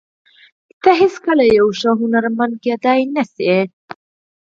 ته هېڅکله یوه ښه سندرغاړې کېدای نشې